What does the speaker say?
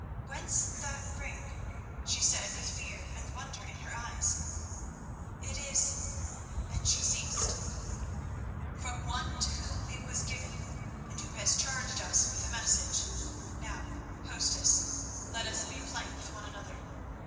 "Whence that ring?" she said, with fear and wonder in her eyes. "It is—" and she ceased. "From one to whom it was given and who has charged us with a message. Now, hostess, let us be plain with one another.